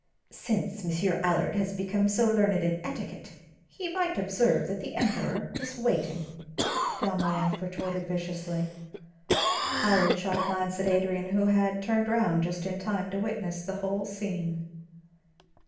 "Since Monsieur Allard has become so learned in etiquette, he might observe that the Emperor is waiting," Dalmorov retorted viciously. Allard shot a glance at Adrian, who had turned round just in time to witness the whole scene.